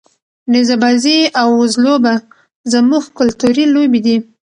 نیزه بازي او وزلوبه زموږ کلتوري لوبې دي.